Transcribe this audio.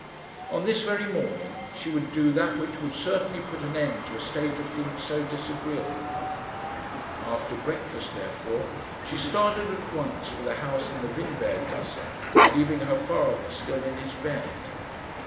On this very morning she would do that which should certainly put an end to a state of things so disagreeable. After breakfast, therefore, she started at once for the house in the Windberg gasse, leaving her father still in his bed.